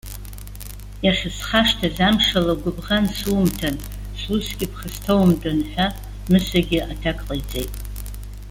Иахьысхашҭыз амшала гәыбӷан сыумҭан, сусгьы ԥхасҭаумтәын!- ҳәа Мысагьы аҭак ҟаиҵеит.